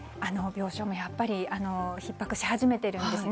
病床もひっ迫し始めているんです。